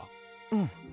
うん。